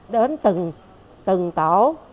đến từng tổ